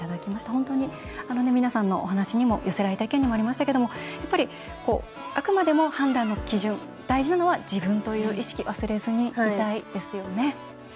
本当に皆さんのお話にも寄せられた意見にもありましたけどもあくまでも判断の基準大事なのは自分という意識忘れずにいたいですよね。